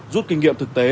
rút kinh nghiệm thực tế